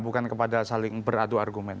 bukan kepada saling beradu argumen